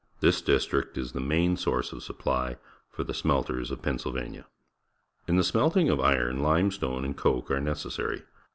This district is the main source of supply for the smelters of Pemisylvania. In the smelting of iron, limestone and coke are necessary.